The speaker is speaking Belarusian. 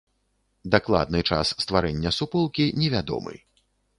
Дакладны час стварэння суполкі невядомы.